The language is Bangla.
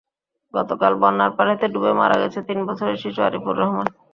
গতকাল বন্যার পানিতে ডুবে মারা গেছে তিন বছরের শিশু আরিফুর রহমান।